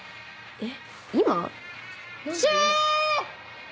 えっ？